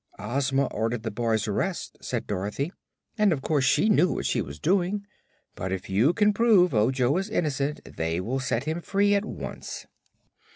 "Ozma ordered the boy's arrest," said Dorothy, "and of course she knew what she was doing. But if you can prove Ojo is innocent they will set him free at once."